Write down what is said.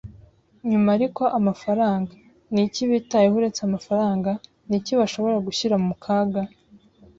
nyuma ariko amafaranga? Ni iki bitayeho uretse amafaranga? Ni iki bashobora gushyira mu kaga